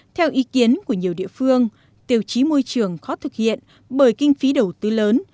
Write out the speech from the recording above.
theo ý kiến của nhiều địa phương tiêu chí môi trường khó thực hiện bởi kinh phí đầu tư lớn